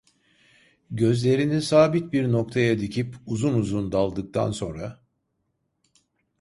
Gözlerini sabit bir noktaya dikip uzun uzun daldıktan sonra: